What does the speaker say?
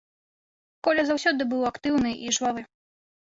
Коля заўсёды быў актыўны і жвавы.